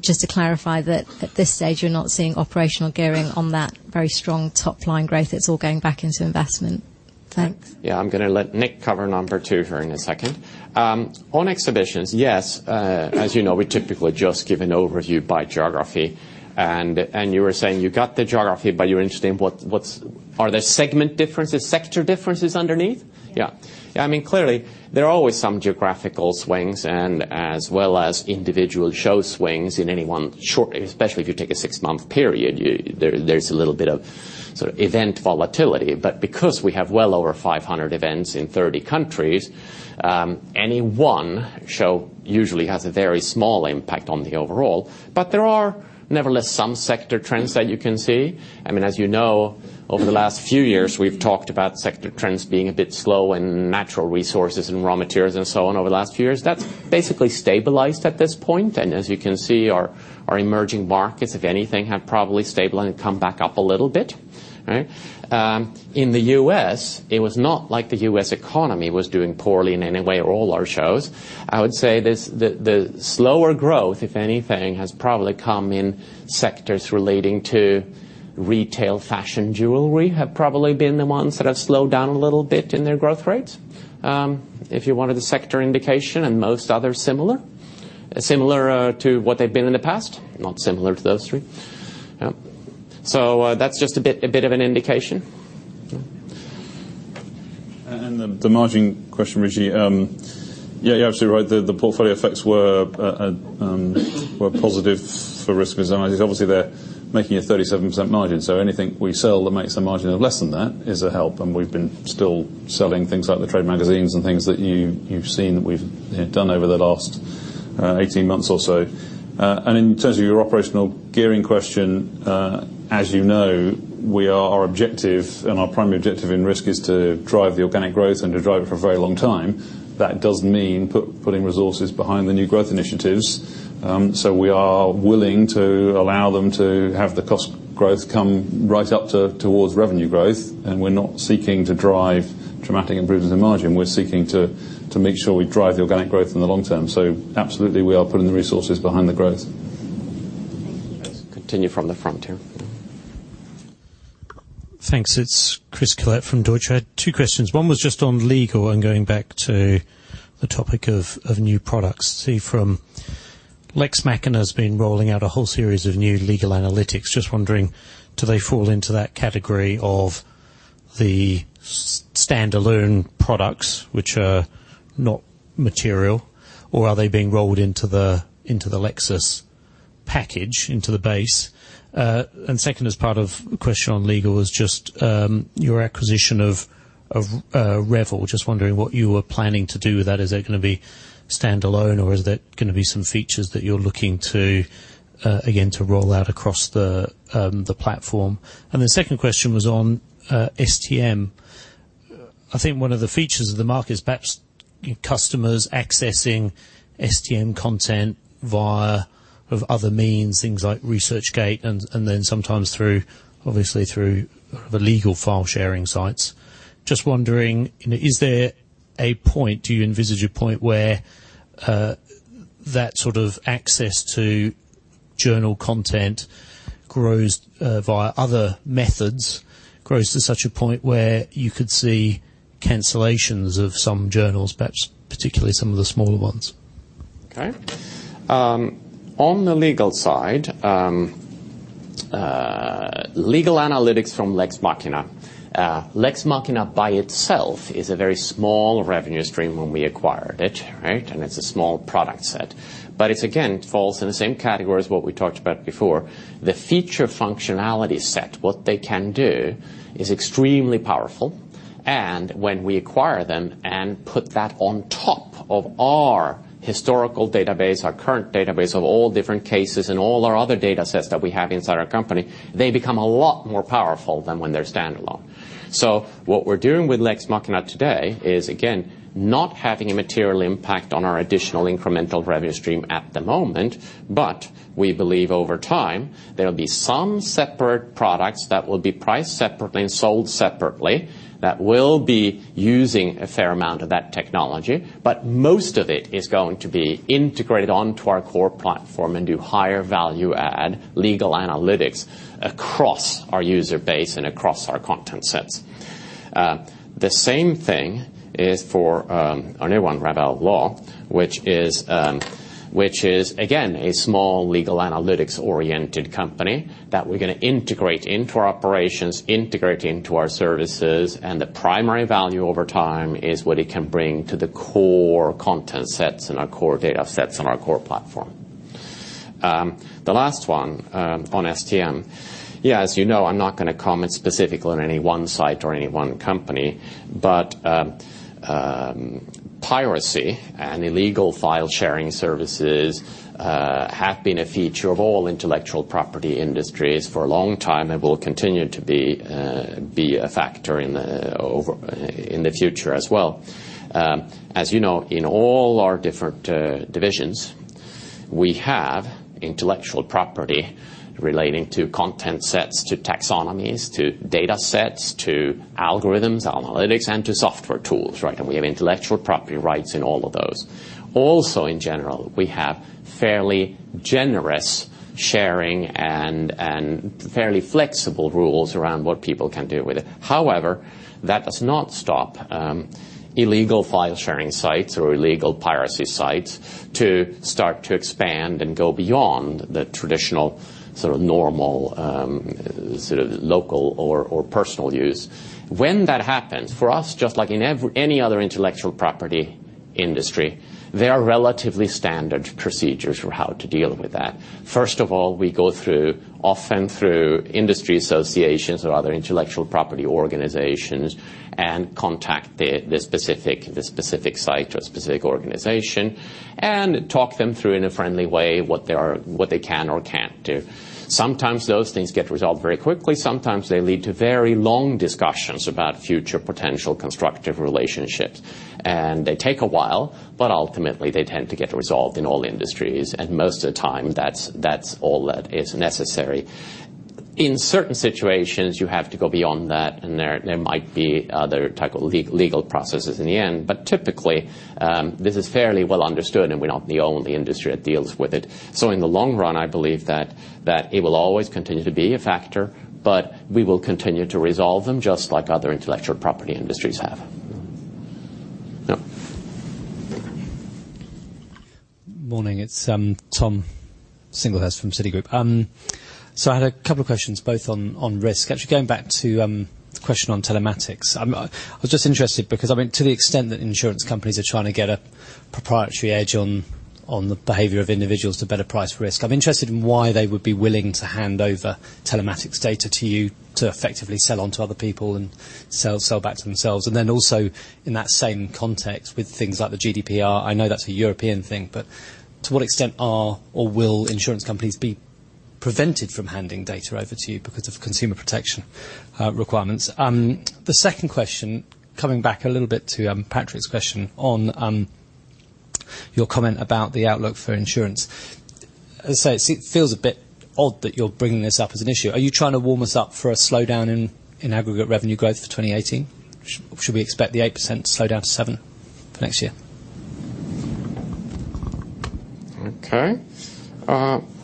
Just to clarify that at this stage, you're not seeing operational gearing on that very strong top-line growth. It's all going back into investment. Thanks. Yeah. I'm going to let Nick cover number 2 here in a second. On Exhibitions, yes. As you know, we typically just give an overview by geography. You were saying you got the geography, but you're interested in are there segment differences, sector differences underneath? Yeah. Yeah. Clearly, there are always some geographical swings as well as individual show swings in any one short, especially if you take a 6-month period, there's a little bit of event volatility. Because we have well over 500 events in 30 countries, any one show usually has a very small impact on the overall. There are, nevertheless, some sector trends that you can see. As you know, over the last few years, we've talked about sector trends being a bit slow in natural resources and raw materials and so on over the last few years. That's basically stabilized at this point. As you can see, our emerging markets, if anything, have probably stabilized and come back up a little bit. In the U.S., it was not like the U.S. economy was doing poorly in any way or all our shows. I would say the slower growth, if anything, has probably come in sectors relating to retail fashion jewelry, have probably been the ones that have slowed down a little bit in their growth rates. If you wanted a sector indication and most others similar to what they've been in the past, not similar to those three. That's just a bit of an indication. The margin question, Ruchi. Yeah, you're absolutely right. The portfolio effects were positive for Risk. Obviously, they're making a 37% margin, so anything we sell that makes the margin of less than that is a help, and we've been still selling things like the trade magazines and things that you've seen that we've done over the last 18 months or so. In terms of your operational gearing question, as you know, our objective and our primary objective in Risk is to drive the organic growth and to drive it for a very long time. That does mean putting resources behind the new growth initiatives. We are willing to allow them to have the cost growth come right up towards revenue growth, and we're not seeking to drive dramatic improvements in margin. We're seeking to make sure we drive the organic growth in the long term. Absolutely, we are putting the resources behind the growth. Thank you. Let's continue from the front here. Thanks. It's Chris Collett from Deutsche. I had two questions. One was just on legal and going back to the topic of new products. Lex Machina's been rolling out a whole series of new legal analytics. Just wondering, do they fall into that category of the standalone products which are not material, or are they being rolled into the Lexis package, into the base? Second, as part of a question on legal, is just your acquisition of Ravel. Just wondering what you were planning to do with that. Is that going to be standalone or is that going to be some features that you're looking to, again, to roll out across the platform? The second question was on STM. I think one of the features of the market is perhaps customers accessing STM content via other means, things like ResearchGate and then sometimes obviously through the legal file sharing sites. Just wondering, do you envisage a point where that sort of access to journal content grows via other methods, grows to such a point where you could see cancellations of some journals, perhaps particularly some of the smaller ones? Okay. On the legal side, legal analytics from Lex Machina. Lex Machina by itself is a very small revenue stream when we acquired it. It's a small product set, but it again, falls in the same category as what we talked about before. The feature functionality set, what they can do, is extremely powerful. When we acquire them and put that on top of our historical database, our current database of all different cases and all our other data sets that we have inside our company, they become a lot more powerful than when they're standalone. What we're doing with Lex Machina today is, again, not having a material impact on our additional incremental revenue stream at the moment. We believe over time there'll be some separate products that will be priced separately and sold separately that will be using a fair amount of that technology. Most of it is going to be integrated onto our core platform and do higher value add legal analytics across our user base and across our content sets. The same thing is for our new one, Ravel Law, which is again, a small legal analytics-oriented company that we are going to integrate into our operations, integrate into our services. The primary value over time is what it can bring to the core content sets and our core data sets on our core platform. The last one on STM. As you know, I am not going to comment specifically on any one site or any one company, but piracy and illegal file-sharing services have been a feature of all intellectual property industries for a long time and will continue to be a factor in the future as well. As you know, in all our different divisions, we have intellectual property relating to content sets, to taxonomies, to data sets, to algorithms, analytics, and to software tools. We have intellectual property rights in all of those. Also, in general, we have fairly generous sharing and fairly flexible rules around what people can do with it. However, that does not stop illegal file-sharing sites or illegal piracy sites to start to expand and go beyond the traditional normal local or personal use. When that happens, for us, just like in any other intellectual property industry, there are relatively standard procedures for how to deal with that. First of all, we go often through industry associations or other intellectual property organizations and contact the specific site or specific organization and talk them through in a friendly way what they can or cannot do. Sometimes those things get resolved very quickly. Sometimes they lead to very long discussions about future potential constructive relationships. They take a while, but ultimately, they tend to get resolved in all industries, and most of the time, that is all that is necessary. In certain situations, you have to go beyond that, and there might be other type of legal processes in the end. Typically, this is fairly well understood, and we are not the only industry that deals with it. In the long run, I believe that it will always continue to be a factor, but we will continue to resolve them just like other intellectual property industries have. Yeah. Morning, it is Tom Singlehurst from Citigroup. I had a couple of questions, both on risk. Actually, going back to the question on telematics. I am interested because to the extent that insurance companies are trying to get a proprietary edge on the behavior of individuals to better price risk, I am interested in why they would be willing to hand over telematics data to you to effectively sell on to other people and sell back to themselves. Then also in that same context, with things like the GDPR, I know that is a European thing, but to what extent are or will insurance companies be prevented from handing data over to you because of consumer protection requirements? The second question, coming back a little bit to Patrick's question on your comment about the outlook for insurance. It feels a bit odd that you are bringing this up as an issue. Are you trying to warm us up for a slowdown in aggregate revenue growth for 2018? Should we expect the 8% slowdown to 7% for next year? Okay.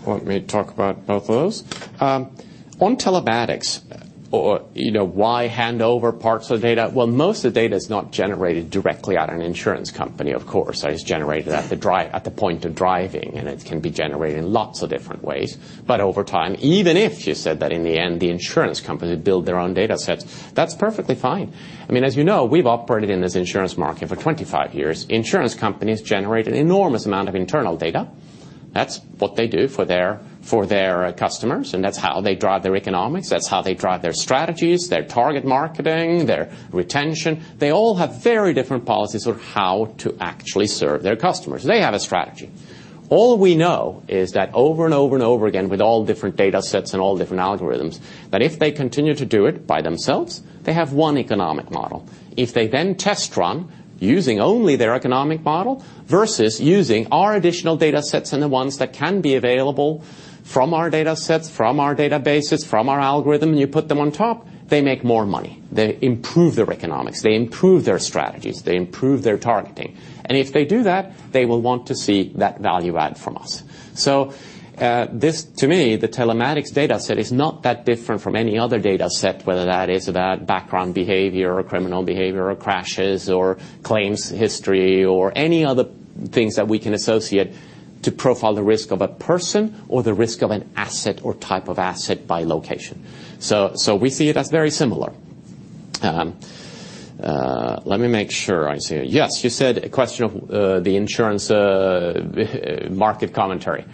Let me talk about both of those. On telematics, why hand over parts of the data? Well, most of the data is not generated directly at an insurance company, of course. It is generated at the point of driving, and it can be generated in lots of different ways. Over time, even if you said that in the end, the insurance companies build their own data sets, that's perfectly fine. As you know, we've operated in this insurance market for 25 years. Insurance companies generate an enormous amount of internal data. That's what they do for their customers, and that's how they drive their economics. That's how they drive their strategies, their target marketing, their retention. They all have very different policies on how to actually serve their customers. They have a strategy. All we know is that over and over and over again, with all different data sets and all different algorithms, that if they continue to do it by themselves, they have one economic model. If they then test run using only their economic model versus using our additional data sets and the ones that can be available from our data sets, from our databases, from our algorithm, and you put them on top, they make more money. They improve their economics. They improve their strategies. They improve their targeting. If they do that, they will want to see that value add from us. This, to me, the telematics data set is not that different from any other data set, whether that is about background behavior or criminal behavior or crashes or claims history or any other things that we can associate to profile the risk of a person or the risk of an asset or type of asset by location. We see it as very similar. Let me make sure I see it. Yes, you said a question of the insurance market commentary.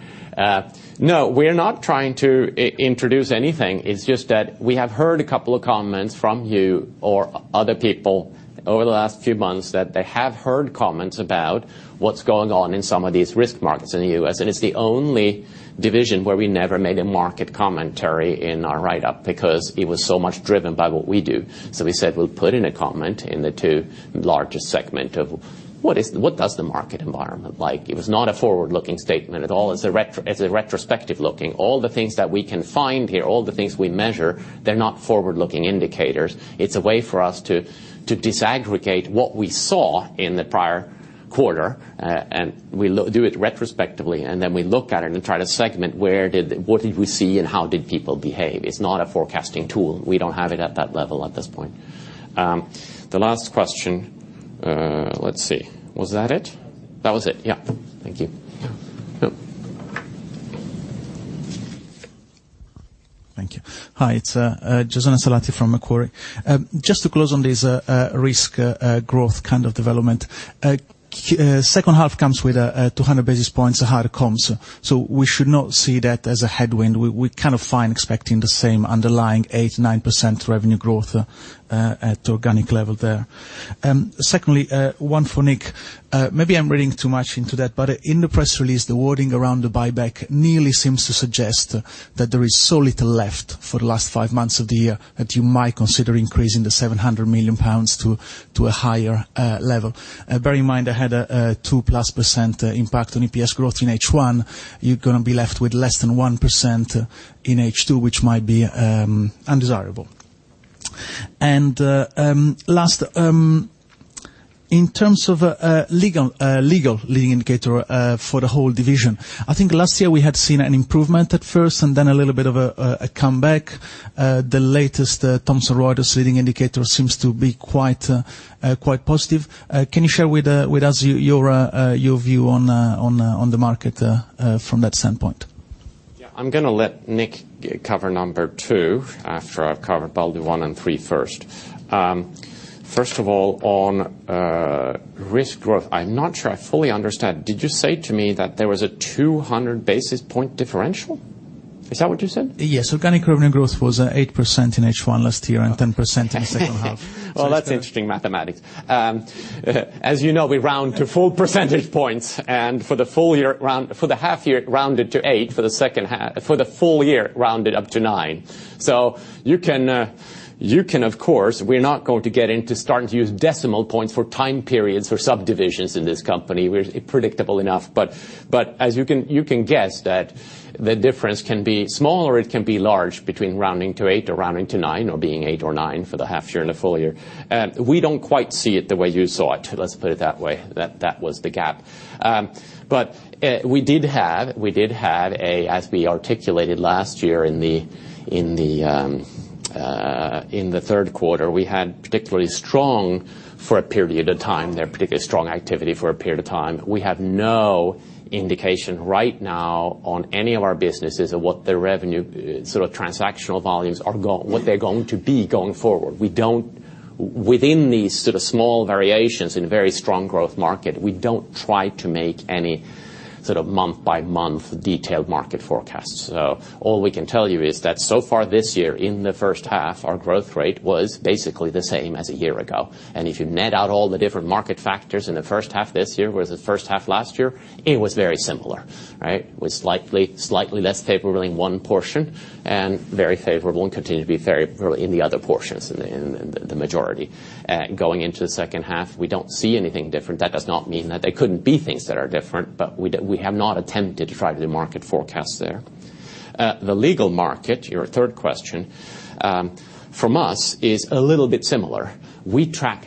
No, we're not trying to introduce anything. It's just that we have heard a couple of comments from you or other people over the last few months that they have heard comments about what's going on in some of these risk markets in the U.S. It's the only division where we never made a market commentary in our write-up because it was so much driven by what we do. We said we'll put in a comment in the two largest segment of what does the market environment like? It was not a forward-looking statement at all. It's a retrospective looking. All the things that we can find here, all the things we measure, they're not forward-looking indicators. It's a way for us to disaggregate what we saw in the prior quarter. We do it retrospectively, then we look at it and try to segment what did we see and how did people behave. It's not a forecasting tool. We don't have it at that level at this point. The last question. Let's see. Was that it? That was it, yeah. Thank you. Thank you. Hi, it's Giasone Salati from Macquarie. Just to close on this risk growth kind of development. Second half comes with a 200 basis points higher comms. We should not see that as a headwind. We're kind of fine expecting the same underlying 8%, 9% revenue growth at organic level there. Secondly, one for Nick. Maybe I'm reading too much into that, but in the press release, the wording around the buyback nearly seems to suggest that there is so little left for the last five months of the year that you might consider increasing the 700 million pounds to a higher level. Bear in mind, I had a 2%+ impact on EPS growth in H1. You're going to be left with less than 1% in H2, which might be undesirable. Last, in terms of legal leading indicator for the whole division, I think last year we had seen an improvement at first, then a little bit of a comeback. The latest Thomson Reuters leading indicator seems to be quite positive. Can you share with us your view on the market from that standpoint? Yeah, I'm going to let Nick cover number two after I've covered probably one and three first. First of all, on risk growth, I'm not sure I fully understand. Did you say to me that there was a 200 basis point differential? Is that what you said? Yes. Organic revenue growth was 8% in H1 last year and 10% in the second half. Well, that's interesting mathematics. As you know, we round to full percentage points, and for the half year, rounded to eight, for the full year, rounded up to nine. You can, of course, we're not going to get into starting to use decimal points for time periods or subdivisions in this company. We're predictable enough. As you can guess that the difference can be small or it can be large between rounding to eight or rounding to nine or being eight or nine for the half year and the full year. We don't quite see it the way you saw it, let's put it that way, that that was the gap. We did have, as we articulated last year in the third quarter, we had particularly strong for a period of time there, particularly strong activity for a period of time. We have no indication right now on any of our businesses of what the revenue, sort of transactional volumes, what they're going to be going forward. Within these sort of small variations in a very strong growth market, we don't try to make any sort of month-by-month detailed market forecasts. All we can tell you is that so far this year, in the first half, our growth rate was basically the same as a year ago. If you net out all the different market factors in the first half this year versus the first half last year, it was very similar, right? It was slightly less favorable in one portion and very favorable and continue to be very favorable in the other portions, in the majority. Going into the second half, we don't see anything different. That does not mean that there couldn't be things that are different, we have not attempted to try to do market forecasts there. The legal market, your third question, from us is a little bit similar. We track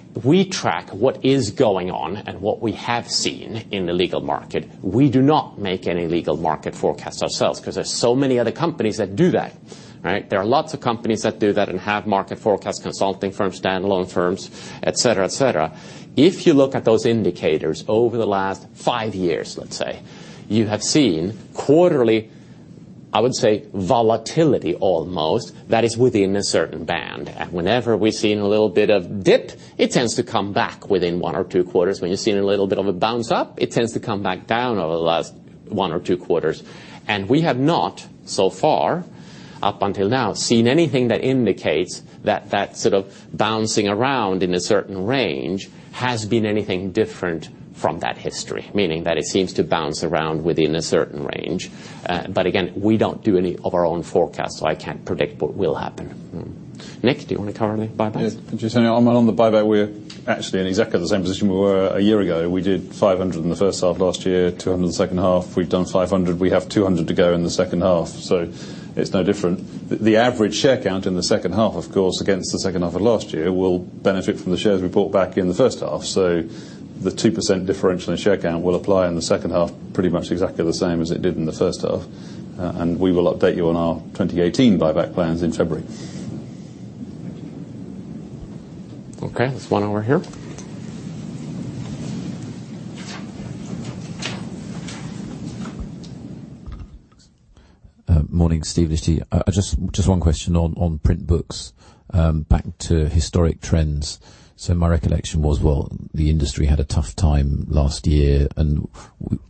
what is going on and what we have seen in the legal market. We do not make any legal market forecasts ourselves because there's so many other companies that do that, right? There are lots of companies that do that and have market forecast consulting firms, standalone firms, et cetera. If you look at those indicators over the last five years, let's say, you have seen quarterly, I would say volatility almost, that is within a certain band. Whenever we're seeing a little bit of dip, it tends to come back within one or two quarters. When you're seeing a little bit of a bounce up, it tends to come back down over the last one or two quarters. We have not so far, up until now, seen anything that indicates that sort of bouncing around in a certain range has been anything different from that history, meaning that it seems to bounce around within a certain range. Again, we don't do any of our own forecasts, so I can't predict what will happen. Nick, do you want to cover any buybacks? Yes. Giasone, on the buyback, we're actually in exactly the same position we were a year ago. We did 500 in the first half last year, 200 in the second half. We've done 500. We have 200 to go in the second half. It's no different. The average share count in the second half, of course, against the second half of last year will benefit from the shares we bought back in the first half. The 2% differential in share count will apply in the second half pretty much exactly the same as it did in the first half, we will update you on our 2018 buyback plans in February. Okay. There's one over here. Morning, Steve Liechti. Just one question on print books, back to historic trends. My recollection was, well, the industry had a tough time last year, and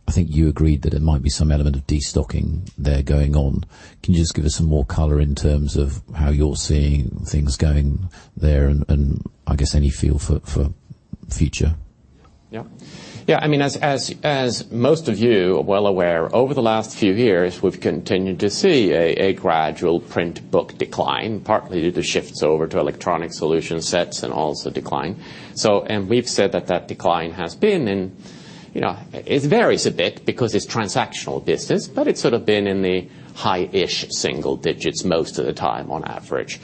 I think you agreed that there might be some element of destocking there going on. Can you just give us some more color in terms of how you're seeing things going there and, I guess, any feel for future? Yeah. As most of you are well aware, over the last few years, we've continued to see a gradual print book decline, partly due to shifts over to electronic solution sets and also decline. We've said that decline has been in, it varies a bit because it's transactional business, but it's sort of been in the high-ish single digits most of the time on average.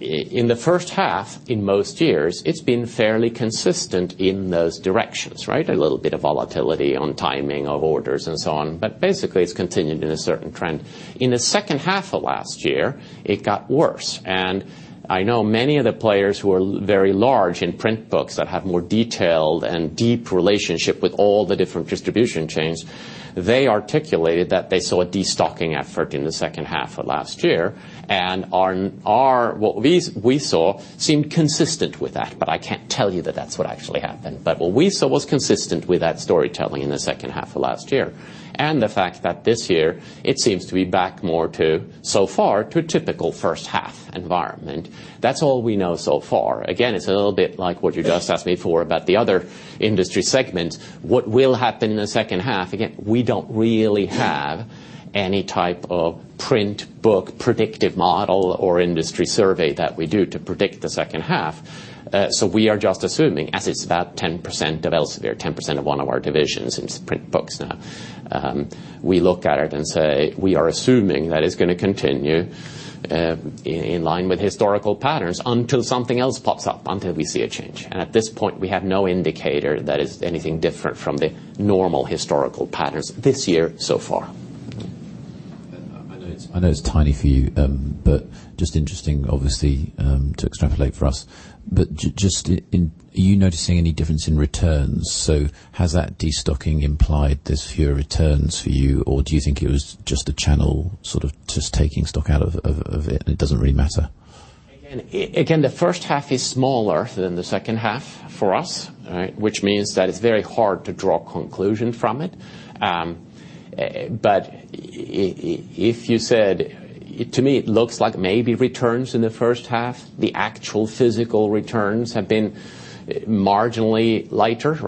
In the H1, in most years, it's been fairly consistent in those directions, right? A little bit of volatility on timing of orders and so on, but basically, it's continued in a certain trend. In the second half of last year, it got worse, I know many of the players who are very large in print books that have more detailed and deep relationship with all the different distribution chains, they articulated that they saw a destocking effort in the second half of last year. What we saw seemed consistent with that, but I can't tell you that that's what actually happened. What we saw was consistent with that storytelling in the second half of last year. The fact that this year it seems to be back more to, so far, to a typical H1 environment. That's all we know so far. Again, it's a little bit like what you just asked me for about the other industry segments. What will happen in the second half? Again, we don't really have any type of print book predictive model or industry survey that we do to predict the second half. We are just assuming, as it's about 10% of Elsevier, 10% of one of our divisions in print books now. We look at it and say, we are assuming that it's going to continue in line with historical patterns until something else pops up, until we see a change. At this point, we have no indicator that it's anything different from the normal historical patterns this year so far. I know it's tiny for you, but just interesting, obviously, to extrapolate for us. Just, are you noticing any difference in returns? Has that destocking implied there's fewer returns for you, or do you think it was just a channel sort of just taking stock out of it, and it doesn't really matter? The first half is smaller than the second half for us, which means that it's very hard to draw conclusion from it. To me, it looks like maybe returns in the first half, the actual physical returns have been marginally lighter.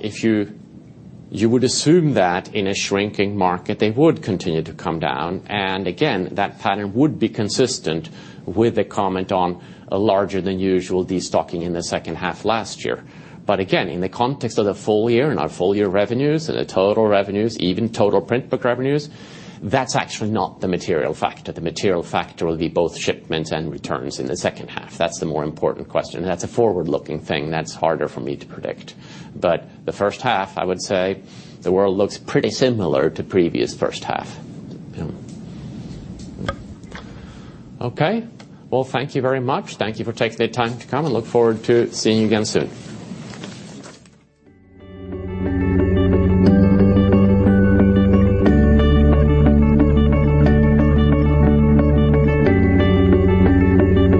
If you would assume that in a shrinking market, they would continue to come down. Again, that pattern would be consistent with a comment on a larger than usual destocking in the second half last year. Again, in the context of the full year and our full year revenues and the total revenues, even total print book revenues, that's actually not the material factor. The material factor will be both shipments and returns in the second half. That's the more important question. That's a forward-looking thing. That's harder for me to predict. The first half, I would say the world looks pretty similar to previous first half. Thank you very much. Thank you for taking the time to come, and look forward to seeing you again soon.